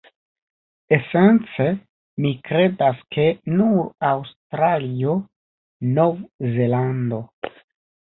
Esence mi kredas, ke nur Aŭstralio, Nov-Zelando